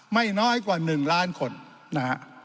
ไม่น้อยกว่า๑ล้านคน